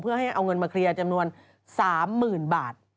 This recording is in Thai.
เพื่อให้เอาเงินมาเคลียร์จำนวน๓๐๐๐บาท